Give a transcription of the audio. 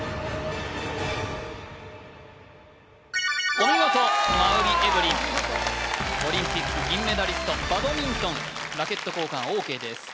お見事馬瓜エブリンオリンピック銀メダリストバドミントンラケット交換ＯＫです